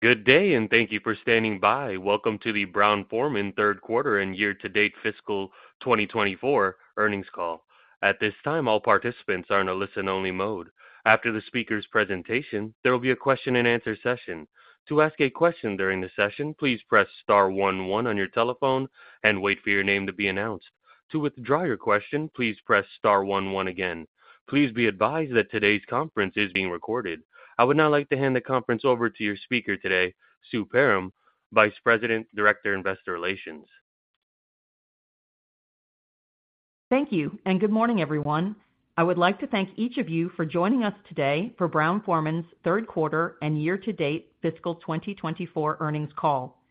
Good day and thank you for standing by. Welcome to the Brown-Forman Third Quarter and year-to-date fiscal 2024 earnings call. At this time, all participants are in a listen-only mode. After the speaker's presentation, there will be a question-and-answer session. To ask a question during the session, please press star one one on your telephone and wait for your name to be announced. To withdraw your question, please press star one one again. Please be advised that today's conference is being recorded. I would now like to hand the conference over to your speaker today, Sue Perram, Vice President, Director, Investor Relations. Thank you, and good morning, everyone. I would like to thank each of you for joining us today for Brown-Forman's third quarter and year-to-date fiscal 2024 earnings call.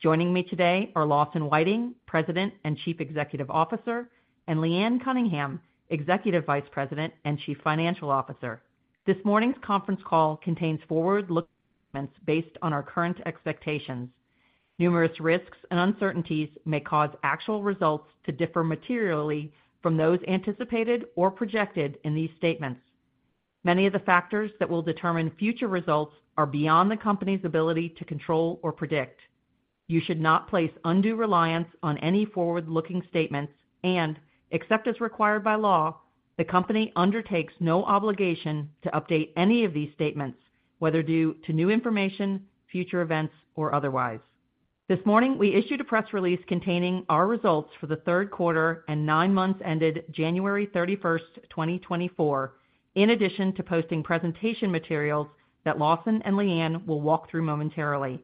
Joining me today are Lawson Whiting, President and Chief Executive Officer, and Leanne Cunningham, Executive Vice President and Chief Financial Officer. This morning's conference call contains forward-looking statements based on our current expectations. Numerous risks and uncertainties may cause actual results to differ materially from those anticipated or projected in these statements. Many of the factors that will determine future results are beyond the company's ability to control or predict. You should not place undue reliance on any forward-looking statements and, except as required by law, the company undertakes no obligation to update any of these statements, whether due to new information, future events, or otherwise. This morning, we issued a press release containing our results for the third quarter and nine months ended January 31st, 2024, in addition to posting presentation materials that Lawson and Leanne will walk through momentarily.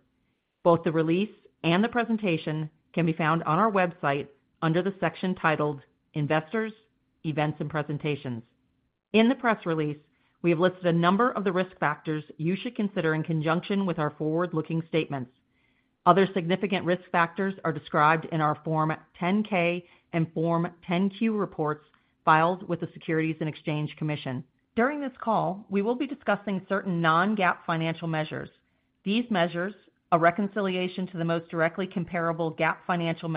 Both the release and the presentation can be found on our website under the section titled Investors, Events, and Presentations. In the press release, we have listed a number of the risk factors you should consider in conjunction with our forward-looking statements. Other significant risk factors are described in our Form 10-K and Form 10-Q reports filed with the Securities and Exchange Commission. During this call, we will be discussing certain non-GAAP financial measures. These measures, a reconciliation to the most directly comparable GAAP financial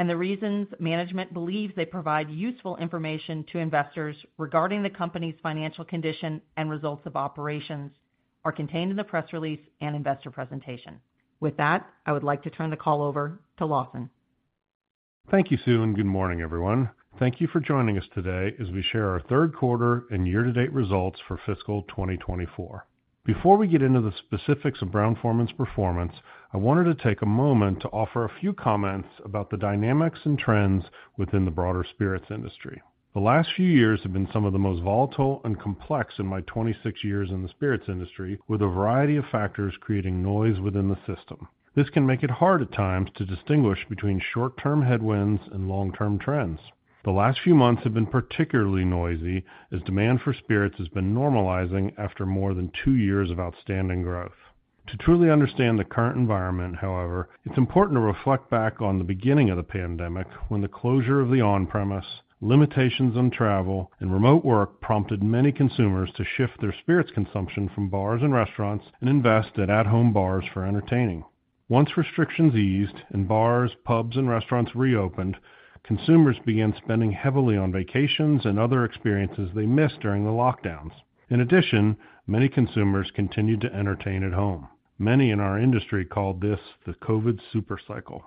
measures, and the reasons management believes they provide useful information to investors regarding the company's financial condition and results of operations, are contained in the press release and investor presentation. With that, I would like to turn the call over to Lawson. Thank you, Sue, and good morning, everyone. Thank you for joining us today as we share our third quarter and year-to-date results for fiscal 2024. Before we get into the specifics of Brown-Forman's performance, I wanted to take a moment to offer a few comments about the dynamics and trends within the broader spirits industry. The last few years have been some of the most volatile and complex in my 26 years in the spirits industry, with a variety of factors creating noise within the system. This can make it hard at times to distinguish between short-term headwinds and long-term trends. The last few months have been particularly noisy as demand for spirits has been normalizing after more than 2 years of outstanding growth. To truly understand the current environment, however, it's important to reflect back on the beginning of the pandemic when the closure of the on-premise, limitations on travel, and remote work prompted many consumers to shift their spirits consumption from bars and restaurants and invest in at-home bars for entertaining. Once restrictions eased and bars, pubs, and restaurants reopened, consumers began spending heavily on vacations and other experiences they missed during the lockdowns. In addition, many consumers continued to entertain at home. Many in our industry called this the COVID supercycle.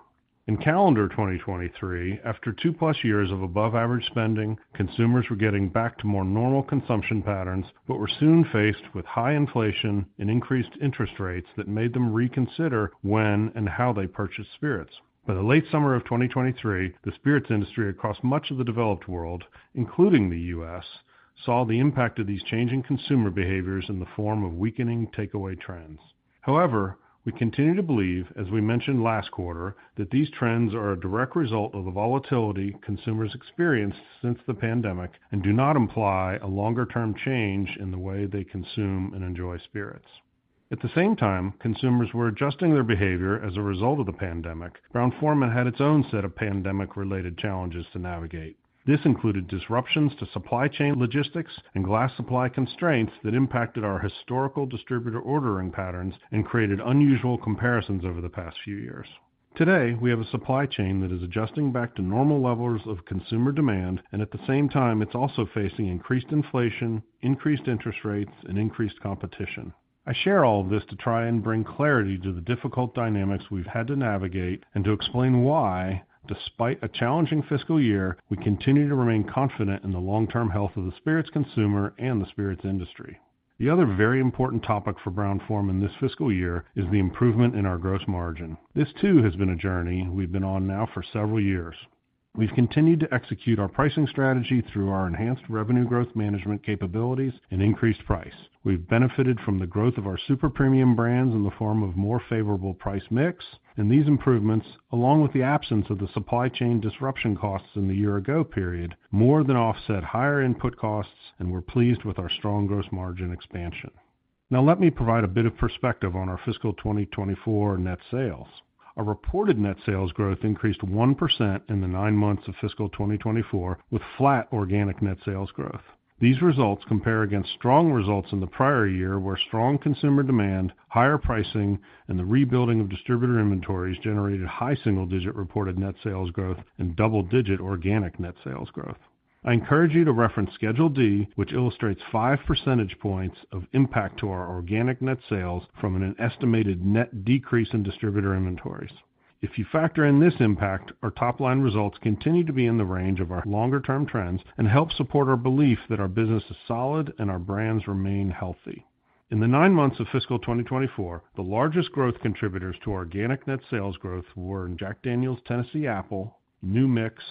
In calendar 2023, after 2+ years of above-average spending, consumers were getting back to more normal consumption patterns but were soon faced with high inflation and increased interest rates that made them reconsider when and how they purchased spirits. By the late summer of 2023, the spirits industry across much of the developed world, including the U.S., saw the impact of these changing consumer behaviors in the form of weakening takeaway trends. However, we continue to believe, as we mentioned last quarter, that these trends are a direct result of the volatility consumers experienced since the pandemic and do not imply a longer-term change in the way they consume and enjoy spirits. At the same time, consumers were adjusting their behavior as a result of the pandemic. Brown-Forman had its own set of pandemic-related challenges to navigate. This included disruptions to supply chain logistics and glass supply constraints that impacted our historical distributor ordering patterns and created unusual comparisons over the past few years. Today, we have a supply chain that is adjusting back to normal levels of consumer demand, and at the same time, it's also facing increased inflation, increased interest rates, and increased competition. I share all of this to try and bring clarity to the difficult dynamics we've had to navigate and to explain why, despite a challenging fiscal year, we continue to remain confident in the long-term health of the spirits consumer and the spirits industry. The other very important topic for Brown-Forman this fiscal year is the improvement in our gross margin. This, too, has been a journey we've been on now for several years. We've continued to execute our pricing strategy through our enhanced revenue growth management capabilities and increased price. We've benefited from the growth of our super premium brands in the form of more favorable price mix, and these improvements, along with the absence of the supply chain disruption costs in the year-ago period, more than offset higher input costs, and we're pleased with our strong gross margin expansion. Now, let me provide a bit of perspective on our fiscal 2024 net sales. Our reported net sales growth increased 1% in the nine months of fiscal 2024 with flat organic net sales growth. These results compare against strong results in the prior year, where strong consumer demand, higher pricing, and the rebuilding of distributor inventories generated high single-digit reported net sales growth and double-digit organic net sales growth. I encourage you to reference Schedule D, which illustrates 5 percentage points of impact to our organic net sales from an estimated net decrease in distributor inventories. If you factor in this impact, our top-line results continue to be in the range of our longer-term trends and help support our belief that our business is solid and our brands remain healthy. In the nine months of fiscal 2024, the largest growth contributors to organic net sales growth were Jack Daniel's Tennessee Apple, New Mix,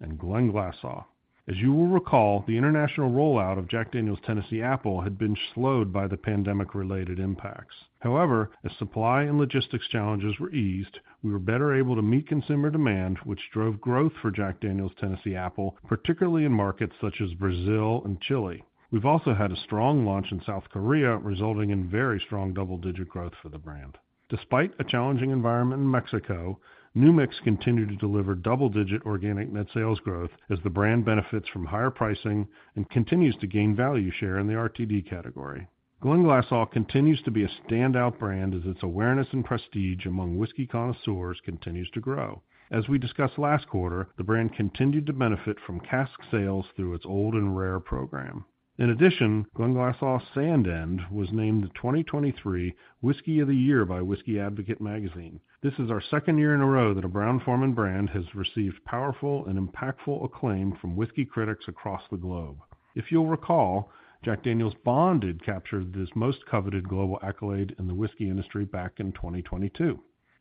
and Glenglassaugh. As you will recall, the international rollout of Jack Daniel's Tennessee Apple had been slowed by the pandemic-related impacts. However, as supply and logistics challenges were eased, we were better able to meet consumer demand, which drove growth for Jack Daniel's Tennessee Apple, particularly in markets such as Brazil and Chile. We've also had a strong launch in South Korea, resulting in very strong double-digit growth for the brand. Despite a challenging environment in Mexico, New Mix continued to deliver double-digit organic net sales growth as the brand benefits from higher pricing and continues to gain value share in the RTD category. Glenglassaugh continues to be a standout brand as its awareness and prestige among whiskey connoisseurs continues to grow. As we discussed last quarter, the brand continued to benefit from cask sales through its Old and Rare program. In addition, Glenglassaugh's Sandend was named the 2023 Whiskey of the Year by Whiskey Advocate Magazine. This is our second year in a row that a Brown-Forman brand has received powerful and impactful acclaim from whiskey critics across the globe. If you'll recall, Jack Daniel's Bonded captured this most coveted global accolade in the whiskey industry back in 2022.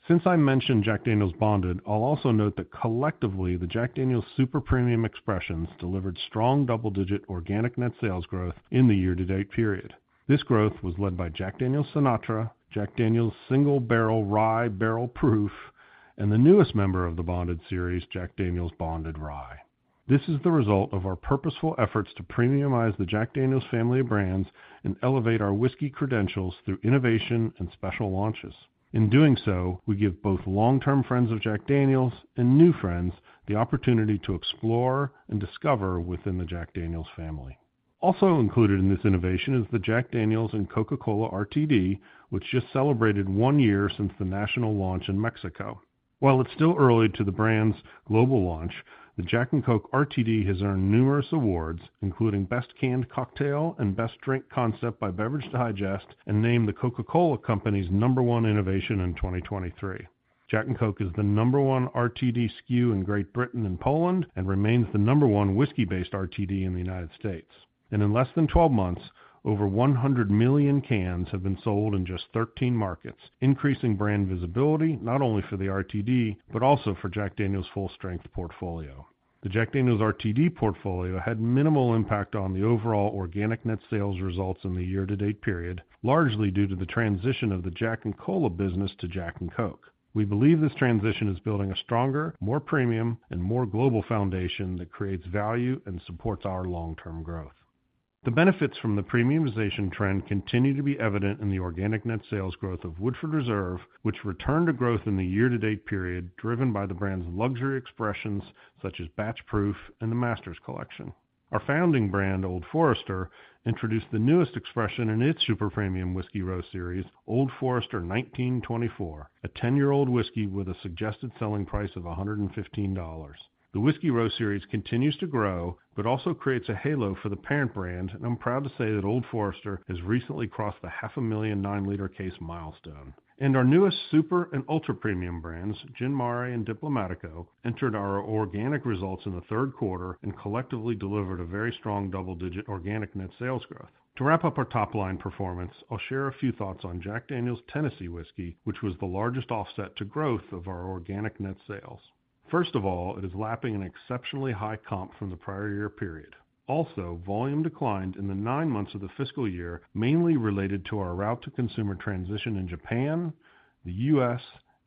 Since I mentioned Jack Daniel's Bonded, I'll also note that collectively, the Jack Daniel's Super Premium Expressions delivered strong double-digit organic net sales growth in the year-to-date period. This growth was led by Jack Daniel's Sinatra, Jack Daniel's Single Barrel Rye Barrel Proof, and the newest member of the Bonded series, Jack Daniel's Bonded Rye. This is the result of our purposeful efforts to premiumize the Jack Daniel's family of brands and elevate our whiskey credentials through innovation and special launches. In doing so, we give both long-term friends of Jack Daniel's and new friends the opportunity to explore and discover within the Jack Daniel's family. Also included in this innovation is the Jack Daniel's and Coca-Cola RTD, which just celebrated one year since the national launch in Mexico. While it's still early to the brand's global launch, the Jack & Coke RTD has earned numerous awards, including Best Canned Cocktail and Best Drink Concept by Beverage Digest, and named the Coca-Cola Company's number one innovation in 2023. Jack & Coke is the number one RTD SKU in Great Britain and Poland and remains the number one whiskey-based RTD in the United States. In less than 12 months, over 100 million cans have been sold in just 13 markets, increasing brand visibility not only for the RTD but also for Jack Daniel's full-strength portfolio. The Jack Daniel's RTD portfolio had minimal impact on the overall organic net sales results in the year-to-date period, largely due to the transition of the Jack & Coke business to Jack & Coke. We believe this transition is building a stronger, more premium, and more global foundation that creates value and supports our long-term growth. The benefits from the premiumization trend continue to be evident in the organic net sales growth of Woodford Reserve, which returned to growth in the year-to-date period driven by the brand's luxury expressions such as Batch Proof and the Master's Collection. Our founding brand, Old Forester, introduced the newest expression in its Super Premium Whiskey Row Series, Old Forester 1924, a 10-year-old whiskey with a suggested selling price of $115. The Whiskey Row Series continues to grow but also creates a halo for the parent brand, and I'm proud to say that Old Forester has recently crossed the 500,000 nine-liter case milestone. Our newest Super and Ultra Premium brands, Gin Mare and Diplomático, entered our organic results in the third quarter and collectively delivered a very strong double-digit organic net sales growth. To wrap up our top-line performance, I'll share a few thoughts on Jack Daniel's Tennessee Whiskey, which was the largest offset to growth of our organic net sales. First of all, it is lapping an exceptionally high comp from the prior year period. Also, volume declined in the nine months of the fiscal year, mainly related to our route-to-consumer transition in Japan, the U.S.,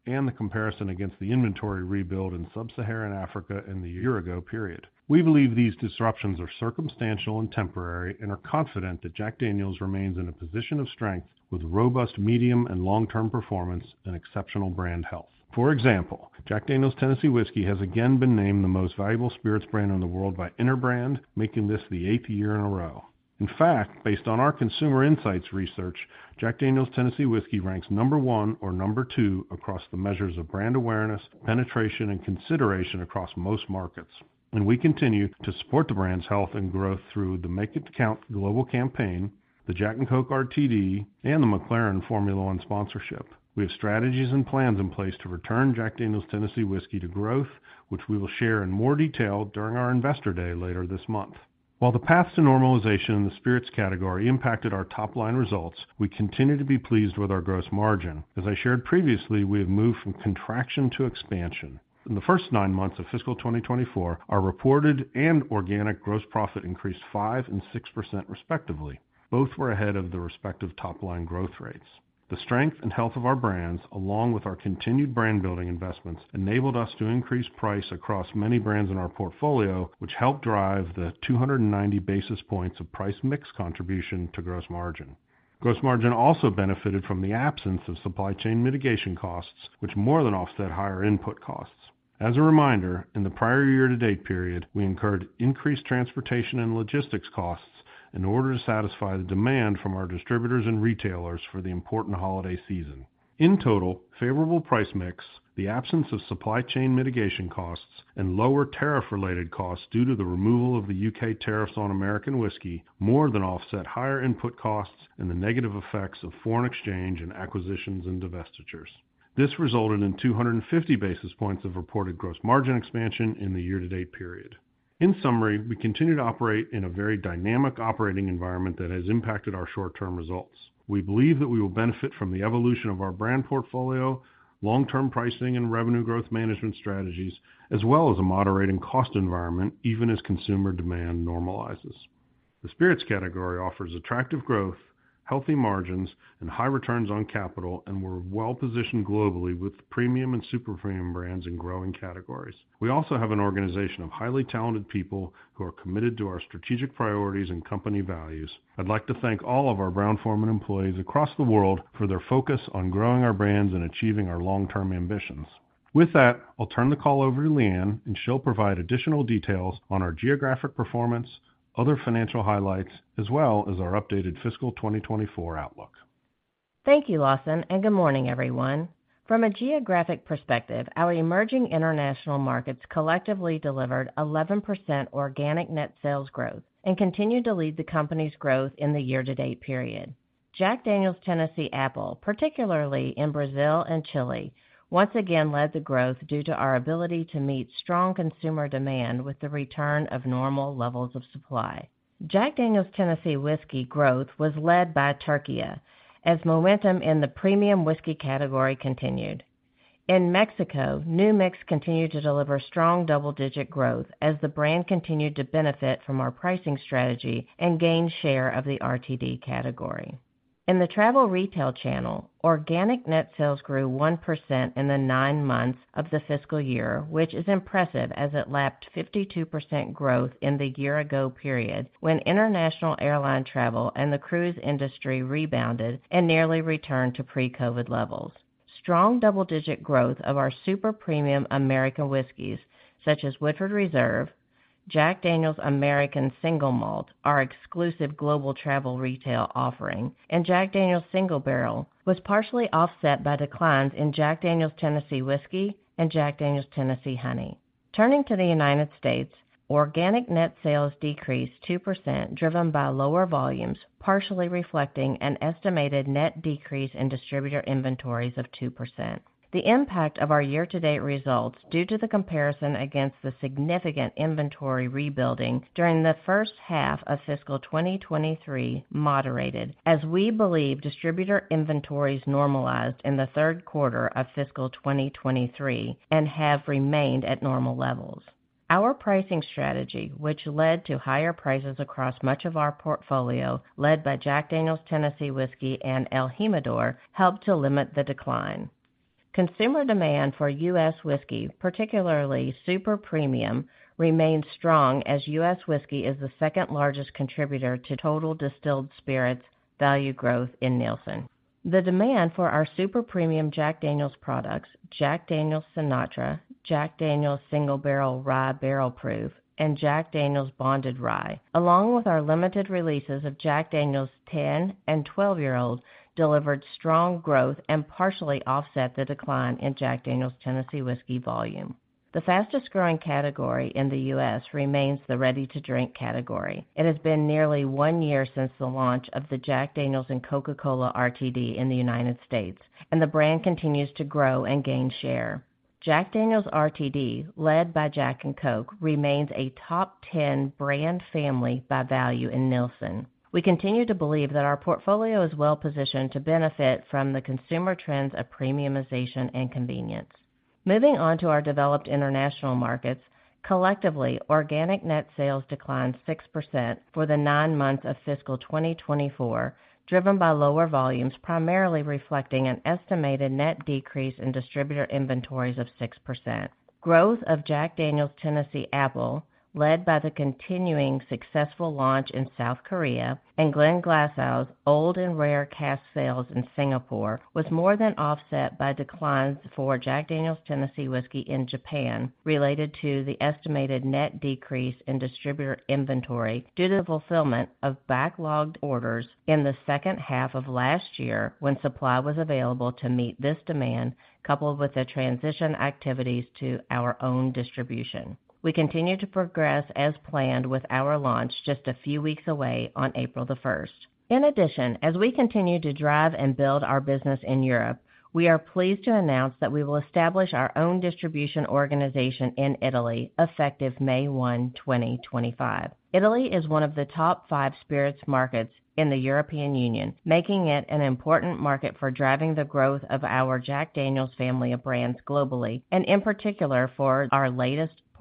and the comparison against the inventory rebuild in Sub-Saharan Africa in the year-ago period. We believe these disruptions are circumstantial and temporary and are confident that Jack Daniel's remains in a position of strength with robust medium and long-term performance and exceptional brand health. For example, Jack Daniel's Tennessee Whiskey has again been named the most valuable spirits brand in the world by Interbrand, making this the eighth year in a row. In fact, based on our Consumer Insights research, Jack Daniel's Tennessee Whiskey ranks number 1 or number 2 across the measures of brand awareness, penetration, and consideration across most markets. We continue to support the brand's health and growth through the Make It Count global campaign, the Jack & Coke RTD, and the McLaren Formula One sponsorship. We have strategies and plans in place to return Jack Daniel's Tennessee Whiskey to growth, which we will share in more detail during our Investor Day later this month. While the path to normalization in the spirits category impacted our top-line results, we continue to be pleased with our gross margin. As I shared previously, we have moved from contraction to expansion. In the first nine months of fiscal 2024, our reported and organic gross profit increased 5% and 6%, respectively. Both were ahead of the respective top-line growth rates. The strength and health of our brands, along with our continued brand-building investments, enabled us to increase price across many brands in our portfolio, which helped drive the 290 basis points of price mix contribution to gross margin. Gross margin also benefited from the absence of supply chain mitigation costs, which more than offset higher input costs. As a reminder, in the prior year-to-date period, we incurred increased transportation and logistics costs in order to satisfy the demand from our distributors and retailers for the important holiday season. In total, favorable price mix, the absence of supply chain mitigation costs, and lower tariff-related costs due to the removal of the U.K. tariffs on American Whiskey more than offset higher input costs and the negative effects of foreign exchange and acquisitions and divestitures. This resulted in 250 basis points of reported gross margin expansion in the year-to-date period. In summary, we continue to operate in a very dynamic operating environment that has impacted our short-term results. We believe that we will benefit from the evolution of our brand portfolio, long-term pricing, and revenue growth management strategies, as well as a moderating cost environment, even as consumer demand normalizes. The spirits category offers attractive growth, healthy margins, and high returns on capital, and we're well-positioned globally with premium and super premium brands in growing categories. We also have an organization of highly talented people who are committed to our strategic priorities and company values. I'd like to thank all of our Brown-Forman employees across the world for their focus on growing our brands and achieving our long-term ambitions. With that, I'll turn the call over to Leanne, and she'll provide additional details on our geographic performance, other financial highlights, as well as our updated fiscal 2024 outlook. Thank you, Lawson, and good morning, everyone. From a geographic perspective, our emerging international markets collectively delivered 11% organic net sales growth and continue to lead the company's growth in the year-to-date period. Jack Daniel's Tennessee Apple, particularly in Brazil and Chile, once again led the growth due to our ability to meet strong consumer demand with the return of normal levels of supply. Jack Daniel's Tennessee Whiskey growth was led by Turkey, as momentum in the premium whiskey category continued. In Mexico, New Mix continued to deliver strong double-digit growth as the brand continued to benefit from our pricing strategy and gain share of the RTD category. In the travel retail channel, organic net sales grew 1% in the nine months of the fiscal year, which is impressive as it lapped 52% growth in the year-ago period when international airline travel and the cruise industry rebounded and nearly returned to pre-COVID levels. Strong double-digit growth of our super premium American whiskeys, such as Woodford Reserve, Jack Daniel's American Single Malt, our exclusive global travel retail offering, and Jack Daniel's Single Barrel, was partially offset by declines in Jack Daniel's Tennessee Whiskey and Jack Daniel's Tennessee Honey. Turning to the United States, organic net sales decreased 2% driven by lower volumes, partially reflecting an estimated net decrease in distributor inventories of 2%. The impact of our year-to-date results due to the comparison against the significant inventory rebuilding during the first half of fiscal 2023 moderated, as we believe distributor inventories normalized in the third quarter of fiscal 2023 and have remained at normal levels. Our pricing strategy, which led to higher prices across much of our portfolio led by Jack Daniel's Tennessee Whiskey and el Jimador, helped to limit the decline. Consumer demand for U.S. whiskey, particularly super premium, remains strong as U.S. whiskey is the second largest contributor to total distilled spirits value growth in Nielsen. The demand for our super premium Jack Daniel's products, Jack Daniel's Sinatra Select, Jack Daniel's Single Barrel Rye Barrel Proof, and Jack Daniel's Bonded Rye, along with our limited releases of Jack Daniel's 10 and 12-year-old, delivered strong growth and partially offset the decline in Jack Daniel's Tennessee Whiskey volume. The fastest-growing category in the U.S. remains the ready-to-drink category. It has been nearly one year since the launch of the Jack Daniel's & Coca-Cola RTD in the United States, and the brand continues to grow and gain share. Jack Daniel's RTD, led by Jack & Coke, remains a top 10 brand family by value in Nielsen. We continue to believe that our portfolio is well-positioned to benefit from the consumer trends of premiumization and convenience. Moving on to our developed international markets, collectively, organic net sales declined 6% for the nine months of fiscal 2024, driven by lower volumes, primarily reflecting an estimated net decrease in distributor inventories of 6%. Growth of Jack Daniel's Tennessee Apple, led by the continuing successful launch in South Korea, and Glenglassaugh's Old and Rare cask sales in Singapore was more than offset by declines for Jack Daniel's Tennessee Whiskey in Japan related to the estimated net decrease in distributor inventory due to the fulfillment of backlogged orders in the second half of last year when supply was available to meet this demand, coupled with the transition activities to our own distribution. We continue to progress as planned with our launch just a few weeks away on April 1st. In addition, as we continue to drive and build our business in Europe, we are pleased to announce that we will establish our own distribution organization in Italy effective May 1, 2025. Italy is one of the top five spirits markets in the European Union, making it an important market for driving the growth of our Jack Daniel's family of brands globally, and in particular for our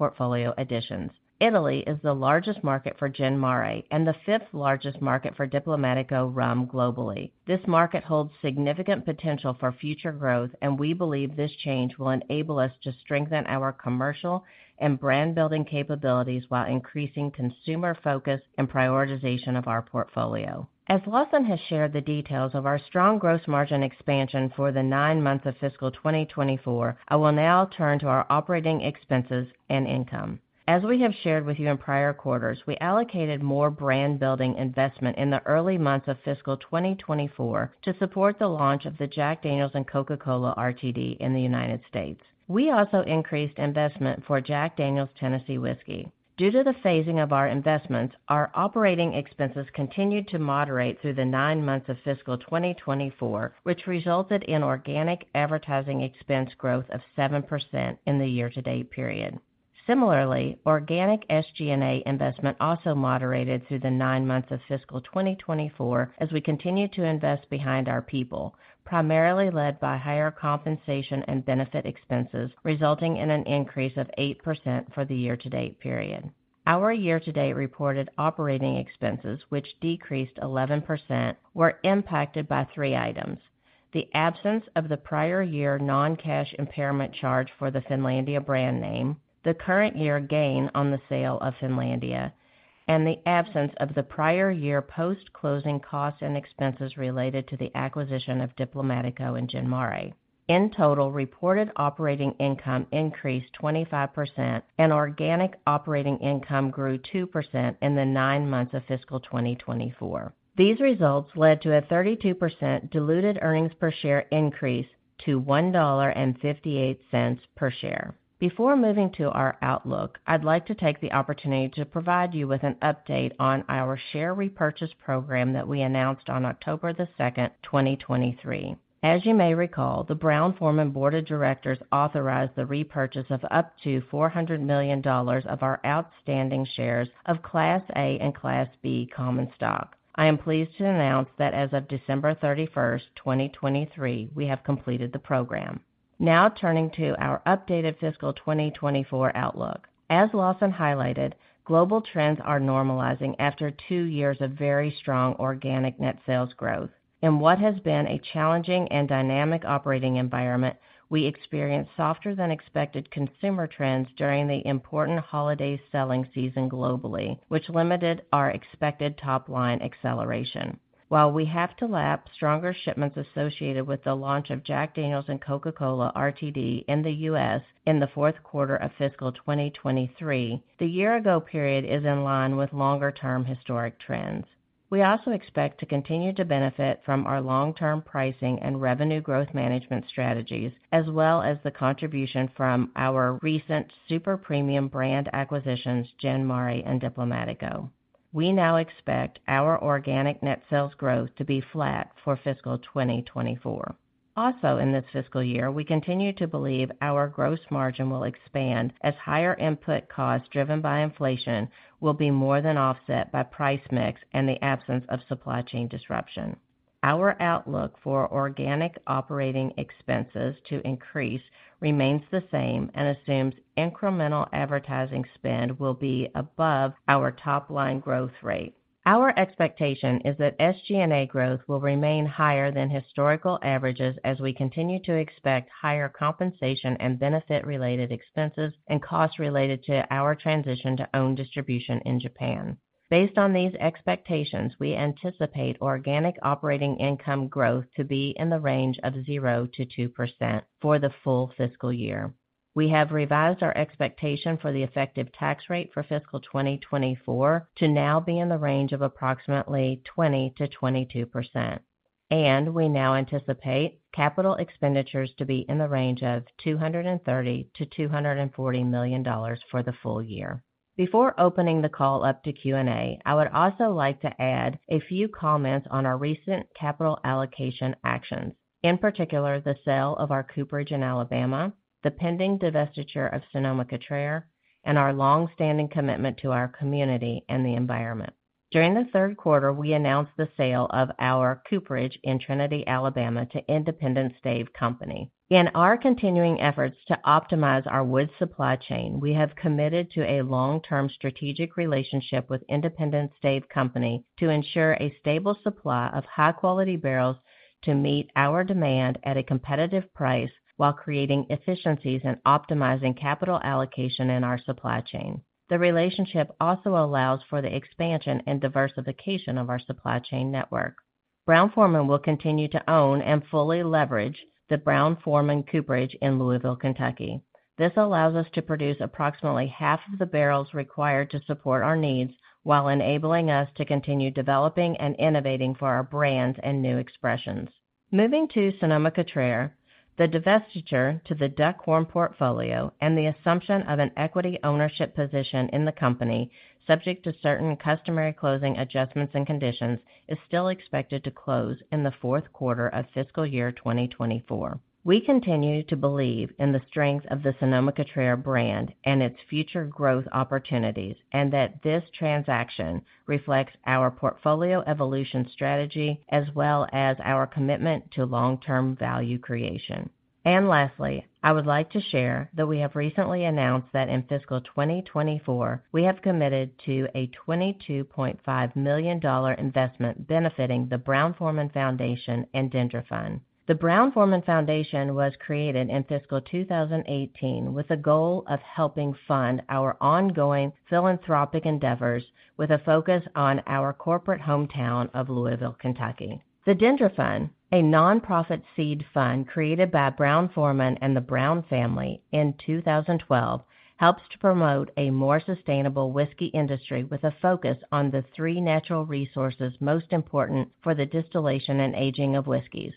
latest portfolio additions. Italy is the largest market for Gin Mare and the fifth largest market for Diplomático rum globally. This market holds significant potential for future growth, and we believe this change will enable us to strengthen our commercial and brand-building capabilities while increasing consumer focus and prioritization of our portfolio. As Lawson has shared the details of our strong gross margin expansion for the nine months of fiscal 2024, I will now turn to our operating expenses and income. As we have shared with you in prior quarters, we allocated more brand-building investment in the early months of fiscal 2024 to support the launch of the Jack Daniel's and Coca-Cola RTD in the United States. We also increased investment for Jack Daniel's Tennessee Whiskey. Due to the phasing of our investments, our operating expenses continued to moderate through the nine months of fiscal 2024, which resulted in organic advertising expense growth of 7% in the year-to-date period. Similarly, organic SG&A investment also moderated through the nine months of fiscal 2024 as we continue to invest behind our people, primarily led by higher compensation and benefit expenses, resulting in an increase of 8% for the year-to-date period. Our year-to-date reported operating expenses, which decreased 11%, were impacted by three items: the absence of the prior year non-cash impairment charge for the Finlandia brand name, the current year gain on the sale of Finlandia, and the absence of the prior year post-closing costs and expenses related to the acquisition of Diplomático and Gin Mare. In total, reported operating income increased 25%, and organic operating income grew 2% in the nine months of fiscal 2024. These results led to a 32% diluted earnings per share increase to $1.58 per share. Before moving to our outlook, I'd like to take the opportunity to provide you with an update on our share repurchase program that we announced on October 2, 2023. As you may recall, the Brown-Forman Board of Directors authorized the repurchase of up to $400 million of our outstanding shares of Class A and Class B common stock. I am pleased to announce that as of December 31, 2023, we have completed the program. Now turning to our updated fiscal 2024 outlook. As Lawson highlighted, global trends are normalizing after two years of very strong organic net sales growth. In what has been a challenging and dynamic operating environment, we experienced softer-than-expected consumer trends during the important holiday selling season globally, which limited our expected top-line acceleration. While we have to lap stronger shipments associated with the launch of Jack Daniel's & Coca-Cola RTD in the U.S. in the fourth quarter of fiscal 2023, the year-ago period is in line with longer-term historic trends. We also expect to continue to benefit from our long-term pricing and revenue growth management strategies, as well as the contribution from our recent super premium brand acquisitions, Gin Mare and Diplomático. We now expect our organic net sales growth to be flat for fiscal 2024. Also, in this fiscal year, we continue to believe our gross margin will expand as higher input costs driven by inflation will be more than offset by price mix and the absence of supply chain disruption. Our outlook for organic operating expenses to increase remains the same and assumes incremental advertising spend will be above our top-line growth rate. Our expectation is that SG&A growth will remain higher than historical averages as we continue to expect higher compensation and benefit-related expenses and costs related to our transition to own distribution in Japan. Based on these expectations, we anticipate organic operating income growth to be in the range of 0%-2% for the full fiscal year. We have revised our expectation for the effective tax rate for fiscal 2024 to now be in the range of approximately 20%-22%, and we now anticipate capital expenditures to be in the range of $230 million-$240 million for the full year. Before opening the call up to Q&A, I would also like to add a few comments on our recent capital allocation actions, in particular the sale of our cooperage in Alabama, the pending divestiture of Sonoma-Cutrer, and our longstanding commitment to our community and the environment. During the third quarter, we announced the sale of our cooperage in Trinity, Alabama, to Independent Stave Company. In our continuing efforts to optimize our wood supply chain, we have committed to a long-term strategic relationship with Independent Stave Company to ensure a stable supply of high-quality barrels to meet our demand at a competitive price while creating efficiencies and optimizing capital allocation in our supply chain. The relationship also allows for the expansion and diversification of our supply chain network. Brown-Forman will continue to own and fully leverage the Brown-Forman Cooperage in Louisville, Kentucky. This allows us to produce approximately half of the barrels required to support our needs while enabling us to continue developing and innovating for our brands and new expressions. Moving to Sonoma-Cutrer, the divestiture to the Duckhorn Portfolio and the assumption of an equity ownership position in the company, subject to certain customary closing adjustments and conditions, is still expected to close in the fourth quarter of fiscal year 2024. We continue to believe in the strengths of the Sonoma-Cutrer brand and its future growth opportunities, and that this transaction reflects our portfolio evolution strategy as well as our commitment to long-term value creation. And lastly, I would like to share that we have recently announced that in fiscal 2024, we have committed to a $22.5 million investment benefiting the Brown-Forman Foundation and DendriFund. The Brown-Forman Foundation was created in fiscal 2018 with the goal of helping fund our ongoing philanthropic endeavors with a focus on our corporate hometown of Louisville, Kentucky. The DendriFund, a nonprofit seed fund created by Brown-Forman and the Brown family in 2012, helps to promote a more sustainable whiskey industry with a focus on the three natural resources most important for the distillation and aging of whiskies: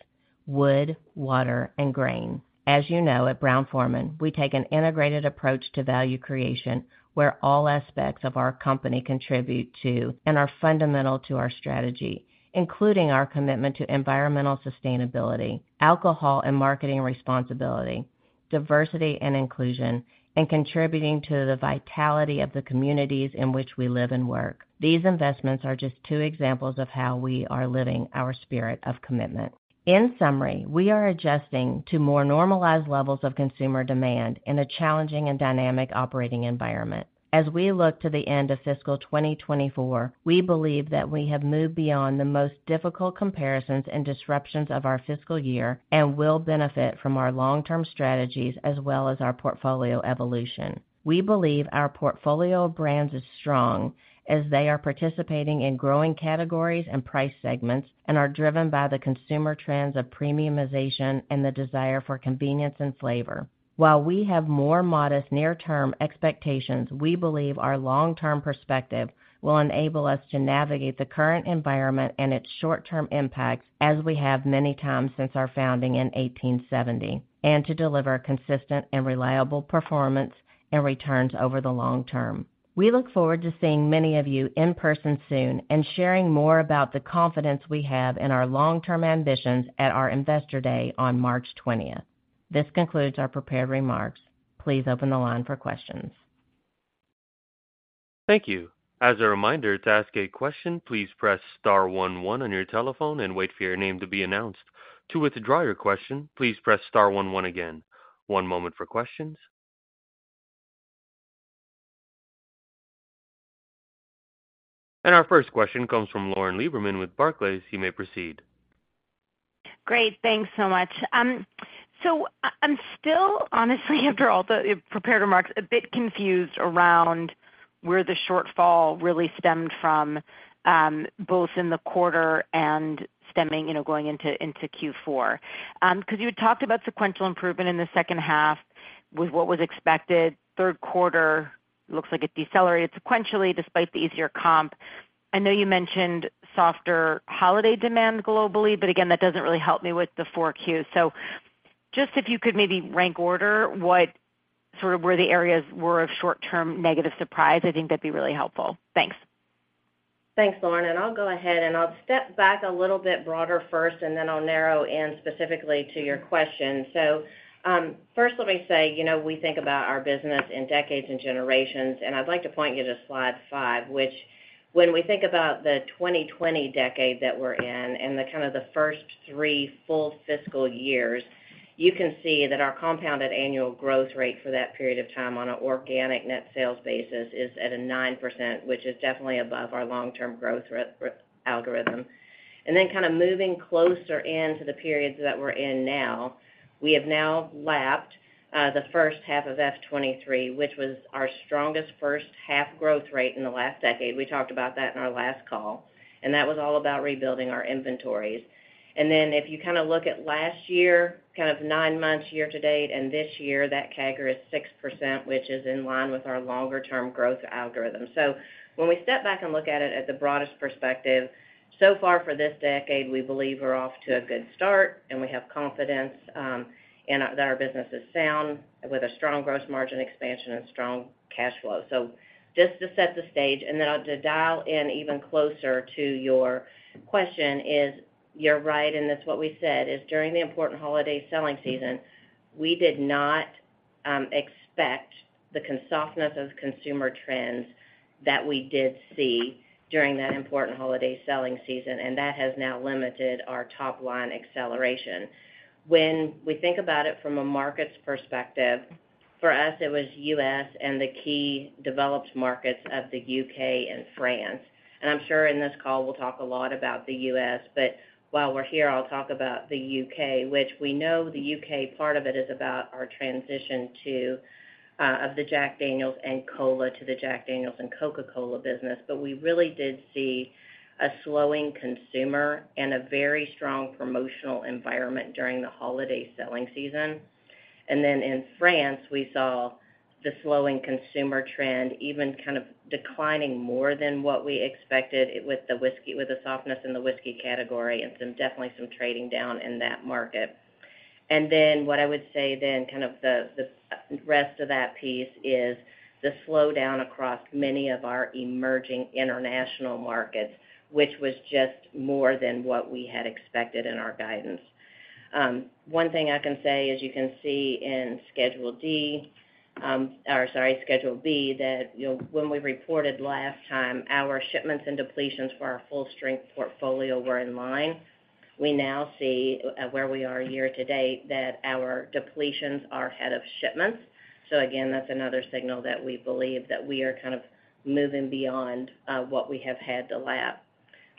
wood, water, and grain. As you know, at Brown-Forman, we take an integrated approach to value creation where all aspects of our company contribute to and are fundamental to our strategy, including our commitment to environmental sustainability, alcohol and marketing responsibility, diversity and inclusion, and contributing to the vitality of the communities in which we live and work. These investments are just two examples of how we are living our spirit of commitment. In summary, we are adjusting to more normalized levels of consumer demand in a challenging and dynamic operating environment. As we look to the end of fiscal 2024, we believe that we have moved beyond the most difficult comparisons and disruptions of our fiscal year and will benefit from our long-term strategies as well as our portfolio evolution. We believe our portfolio of brands is strong as they are participating in growing categories and price segments and are driven by the consumer trends of premiumization and the desire for convenience and flavor. While we have more modest near-term expectations, we believe our long-term perspective will enable us to navigate the current environment and its short-term impacts as we have many times since our founding in 1870, and to deliver consistent and reliable performance and returns over the long term. We look forward to seeing many of you in person soon and sharing more about the confidence we have in our long-term ambitions at our investor day on March 20th. This concludes our prepared remarks. Please open the line for questions. Thank you. As a reminder, to ask a question, please press star one one on your telephone and wait for your name to be announced. To withdraw your question, please press star one one again. One moment for questions. Our first question comes from Lauren Lieberman with Barclays. You may proceed. Great. Thanks so much. So I'm still, honestly, after all the prepared remarks, a bit confused around where the shortfall really stemmed from, both in the quarter and going into Q4. Because you had talked about sequential improvement in the second half with what was expected. Third quarter, it looks like it decelerated sequentially despite the easier comp. I know you mentioned softer holiday demand globally, but again, that doesn't really help me with the four Qs. So just if you could maybe rank order where the areas were of short-term negative surprise, I think that'd be really helpful. Thanks. Thanks, Lauren. I'll go ahead and I'll step back a little bit broader first, and then I'll narrow in specifically to your question. First, let me say we think about our business in decades and generations, and I'd like to point you to slide 5, which when we think about the 2020 decade that we're in and kind of the first three full fiscal years, you can see that our compounded annual growth rate for that period of time on an organic net sales basis is 9%, which is definitely above our long-term growth algorithm. Then kind of moving closer into the periods that we're in now, we have now lapped the first half of F23, which was our strongest first-half growth rate in the last decade. We talked about that in our last call, and that was all about rebuilding our inventories. And then if you kind of look at last year, kind of nine months, year-to-date, and this year, that CAGR is 6%, which is in line with our longer-term growth algorithm. So when we step back and look at it at the broadest perspective, so far for this decade, we believe we're off to a good start, and we have confidence that our business is sound with a strong gross margin expansion and strong cash flow. So just to set the stage, and then to dial in even closer to your question, you're right, and that's what we said, is during the important holiday selling season, we did not expect the softness of consumer trends that we did see during that important holiday selling season, and that has now limited our top-line acceleration. When we think about it from a markets perspective, for us, it was U.S. and the key developed markets of the U.K. and France. I'm sure in this call, we'll talk a lot about the U.S., but while we're here, I'll talk about the U.K., which we know the U.K., part of it is about our transition of the Jack Daniel's and cola to the Jack Daniel's and Coca-Cola business, but we really did see a slowing consumer and a very strong promotional environment during the holiday selling season. Then in France, we saw the slowing consumer trend even kind of declining more than what we expected with the softness in the whiskey category and definitely some trading down in that market. And then what I would say then, kind of the rest of that piece, is the slowdown across many of our emerging international markets, which was just more than what we had expected in our guidance. One thing I can say, as you can see in Schedule D or sorry, Schedule B, that when we reported last time, our shipments and depletions for our full-strength portfolio were in line. We now see where we are year-to-date that our depletions are ahead of shipments. So again, that's another signal that we believe that we are kind of moving beyond what we have had to lap.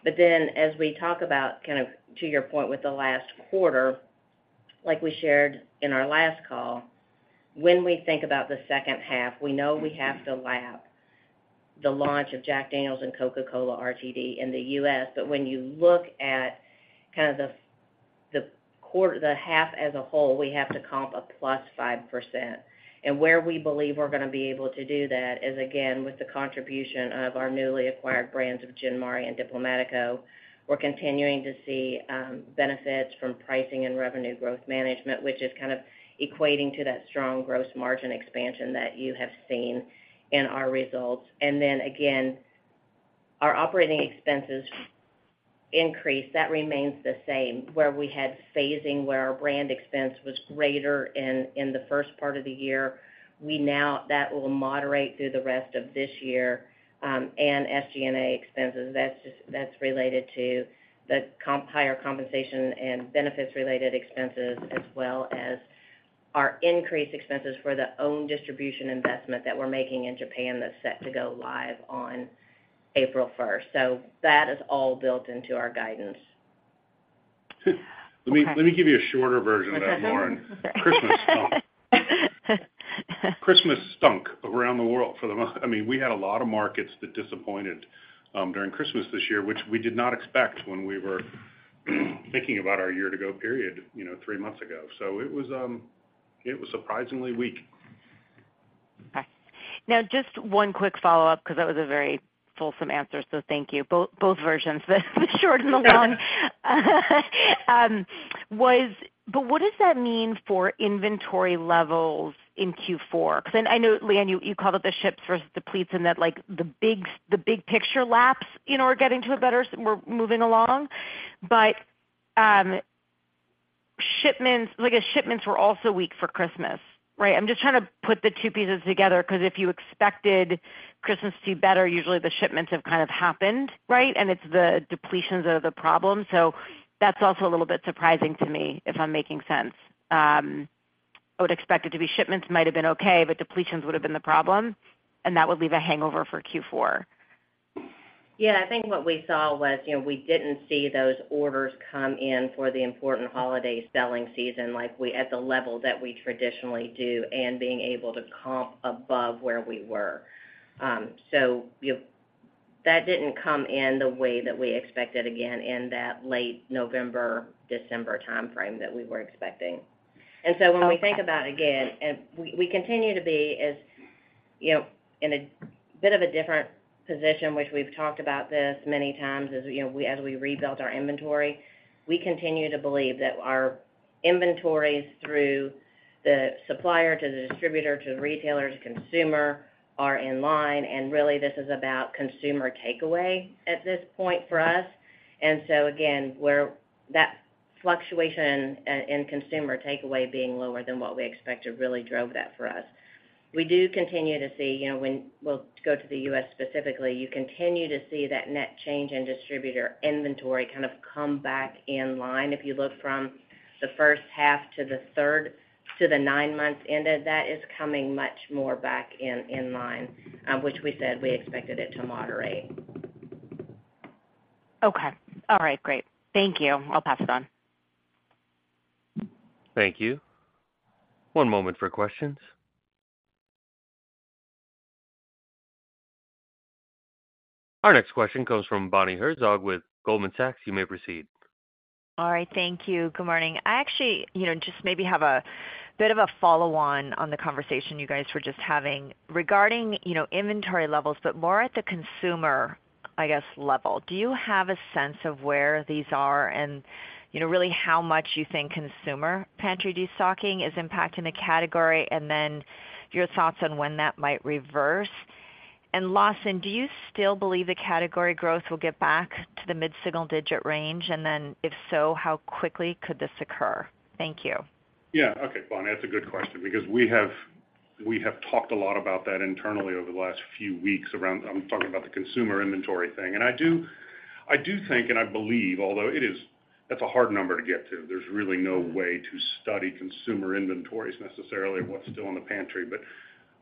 But then as we talk about, kind of to your point, with the last quarter, like we shared in our last call, when we think about the second half, we know we have to lap the launch of Jack Daniel's & Coca-Cola RTD in the U.S., but when you look at kind of the half as a whole, we have to comp a +5%. And where we believe we're going to be able to do that is, again, with the contribution of our newly acquired brands of Gin Mare and Diplomático. We're continuing to see benefits from pricing and revenue growth management, which is kind of equating to that strong gross margin expansion that you have seen in our results. And then again, our operating expenses increase. That remains the same. Where we had phasing where our brand expense was greater in the first part of the year, that will moderate through the rest of this year. SG&A expenses, that's related to the higher compensation and benefits-related expenses as well as our increased expenses for the own distribution investment that we're making in Japan that's set to go live on April 1st. That is all built into our guidance. Let me give you a shorter version of that, Lauren. Christmas stunk around the world for the most, I mean, we had a lot of markets that disappointed during Christmas this year, which we did not expect when we were thinking about our year-to-go period three months ago. So it was surprisingly weak. Okay. Now, just one quick follow-up because that was a very fulsome answer, so thank you, both versions, the short and the long. But what does that mean for inventory levels in Q4? Because I know, Leanne, you called it the shipments versus the depletions and that the big picture is we're getting to a better place. We're moving along. But shipments were also weak for Christmas, right? I'm just trying to put the two pieces together because if you expected Christmas to be better, usually the shipments have kind of happened, right? And it's the depletions that are the problem. So that's also a little bit surprising to me, if I'm making sense. I would expect it to be shipments might have been okay, but depletions would have been the problem, and that would leave a hangover for Q4. Yeah. I think what we saw was we didn't see those orders come in for the important holiday selling season at the level that we traditionally do and being able to comp above where we were. So that didn't come in the way that we expected, again, in that late November, December timeframe that we were expecting. And so when we think about it again, and we continue to be in a bit of a different position, which we've talked about this many times as we rebuilt our inventory, we continue to believe that our inventories through the supplier to the distributor to the retailer to consumer are in line. And really, this is about consumer takeaway at this point for us. And so again, that fluctuation in consumer takeaway being lower than what we expected really drove that for us. We do continue to see, when we'll go to the U.S. specifically, you continue to see that net change in distributor inventory kind of come back in line. If you look from the first half to the third to the nine months ended, that is coming much more back in line, which we said we expected it to moderate. Okay. All right. Great. Thank you. I'll pass it on. Thank you. One moment for questions. Our next question comes from Bonnie Herzog with Goldman Sachs. You may proceed. All right. Thank you. Good morning. I actually just maybe have a bit of a follow-on on the conversation you guys were just having regarding inventory levels, but more at the consumer, I guess, level. Do you have a sense of where these are and really how much you think consumer pantry desocking is impacting the category and then your thoughts on when that might reverse? And Lawson, do you still believe the category growth will get back to the mid-single digit range? And then if so, how quickly could this occur? Thank you. Yeah. Okay. Bonnie, that's a good question because we have talked a lot about that internally over the last few weeks around, I'm talking about the consumer inventory thing. And I do think and I believe, although that's a hard number to get to, there's really no way to study consumer inventories necessarily of what's still in the pantry.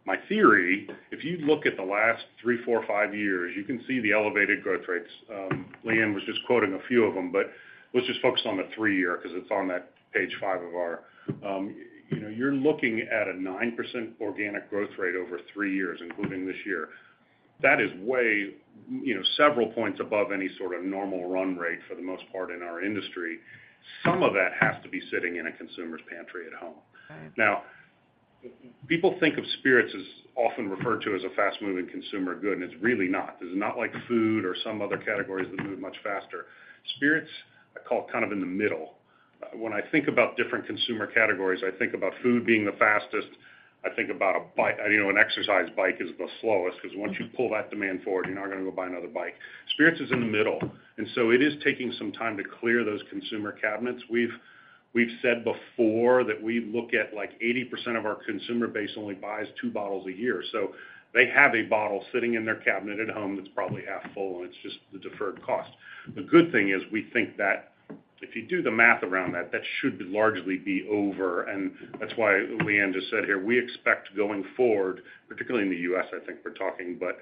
But my theory, if you look at the last three, four, five years, you can see the elevated growth rates. Leanne was just quoting a few of them, but let's just focus on the three-year because it's on that page 5 of our. You're looking at a 9% organic growth rate over three years, including this year. That is several points above any sort of normal run rate for the most part in our industry. Some of that has to be sitting in a consumer's pantry at home. Now, people think of spirits as often referred to as a fast-moving consumer good, and it's really not. It's not like food or some other categories that move much faster. Spirits, I call it kind of in the middle. When I think about different consumer categories, I think about food being the fastest. I think about a bike. An exercise bike is the slowest because once you pull that demand forward, you're not going to go buy another bike. Spirits is in the middle. And so it is taking some time to clear those consumer cabinets. We've said before that we look at 80% of our consumer base only buys two bottles a year. So they have a bottle sitting in their cabinet at home that's probably half full, and it's just the deferred cost. The good thing is we think that if you do the math around that, that should largely be over. That's why Leanne just said here, we expect going forward, particularly in the U.S., I think we're talking, but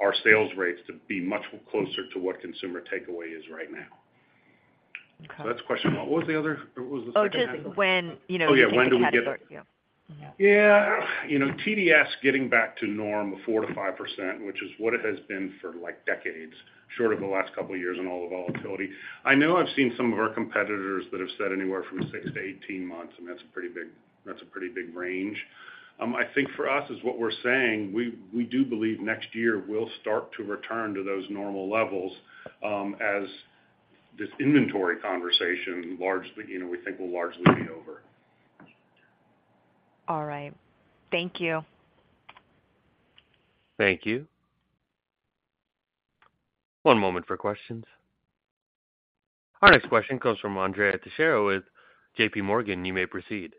our sales rates to be much closer to what consumer takeaway is right now. That's question one. What was the other? What was the second question? Oh, just what you mean the category. Yeah. TDS getting back to norm of 4%-5%, which is what it has been for decades, short of the last couple of years and all the volatility. I know I've seen some of our competitors that have said anywhere from 6-18 months, and that's a pretty big range. I think for us is what we're saying, we do believe next year we'll start to return to those normal levels as this inventory conversation largely we think will largely be over. All right. Thank you. Thank you. One moment for questions. Our next question comes from Andrea Teixeira with JPMorgan. You may proceed.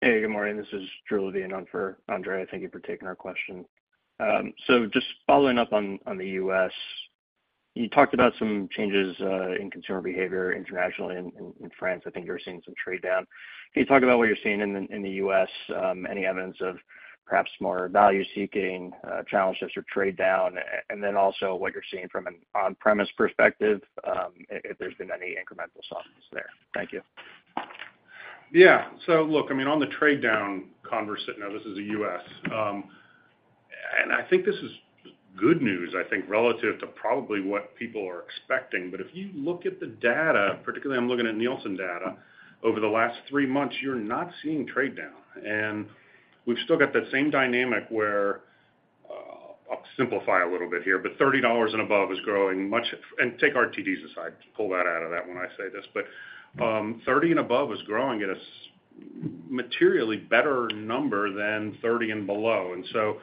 Hey. Good morning. This is Drew Levine for Andrea. Thank you for taking our question. So just following up on the U.S., you talked about some changes in consumer behavior internationally in France. I think you were seeing some trade down. Can you talk about what you're seeing in the U.S., any evidence of perhaps more value-seeking, channel shifts, or trade down? And then also what you're seeing from an on-premise perspective, if there's been any incremental softness there. Thank you. Yeah. So look, I mean, on the trade down conversation now, this is the U.S. And I think this is good news, I think, relative to probably what people are expecting. But if you look at the data, particularly I'm looking at Nielsen data, over the last three months, you're not seeing trade down. And we've still got that same dynamic where I'll simplify a little bit here, but $30 and above is growing much and take RTDs aside. Pull that out of that when I say this. But $30 and above is growing at a materially better number than $30 and below. And so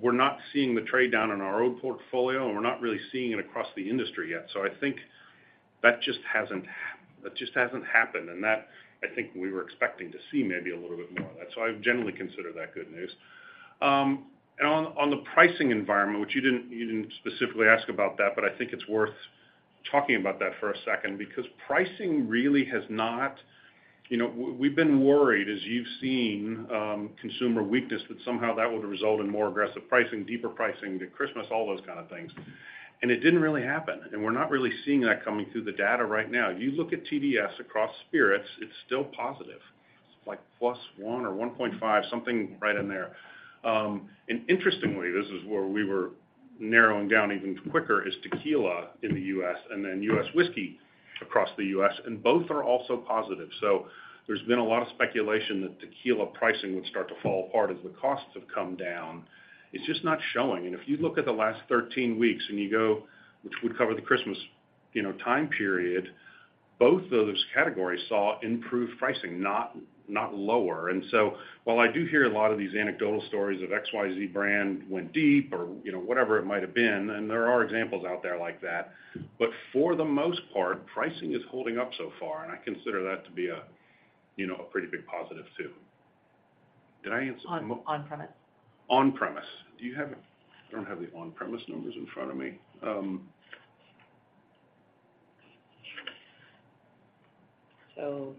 we're not seeing the trade down in our own portfolio, and we're not really seeing it across the industry yet. So I think that just hasn't happened. And that, I think, we were expecting to see maybe a little bit more of that. So I generally consider that good news. On the pricing environment, which you didn't specifically ask about that, but I think it's worth talking about that for a second because pricing really has not, we've been worried, as you've seen, consumer weakness, that somehow that would result in more aggressive pricing, deeper pricing to Christmas, all those kind of things. It didn't really happen. We're not really seeing that coming through the data right now. If you look at TDS across spirits, it's still positive. It's like +1 or 1.5, something right in there. Interestingly, this is where we were narrowing down even quicker, is tequila in the U.S. and then U.S. whiskey across the U.S. Both are also positive. So there's been a lot of speculation that tequila pricing would start to fall apart as the costs have come down. It's just not showing. And if you look at the last 13 weeks and you go, which would cover the Christmas time period, both of those categories saw improved pricing, not lower. And so while I do hear a lot of these anecdotal stories of XYZ brand went deep or whatever it might have been, and there are examples out there like that, but for the most part, pricing is holding up so far. And I consider that to be a pretty big positive too. Did I answer? On-premise. On-premise. I don't have the on-premise numbers in front of me. So.